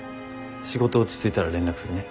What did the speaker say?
仕事落ち着いたら連絡するね。